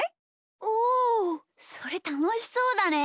おおそれたのしそうだね！